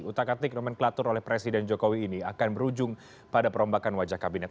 utak atik nomenklatur oleh presiden jokowi ini akan berujung pada perombakan wajah kabinet